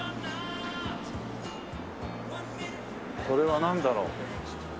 これはなんだろう？